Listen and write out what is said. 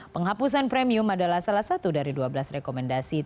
penghapusan premium adalah salah satu dari dua belas rekomendasi